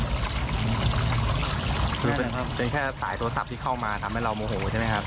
คือเป็นแค่สายโทรศัพท์ที่เข้ามาทำให้เราโมโหใช่ไหมครับ